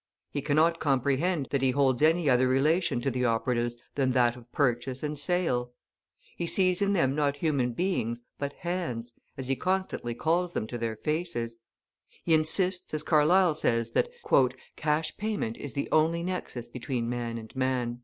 He cannot comprehend that he holds any other relation to the operatives than that of purchase and sale; he sees in them not human beings, but hands, as he constantly calls them to their faces; he insists, as Carlyle says, that "Cash Payment is the only nexus between man and man."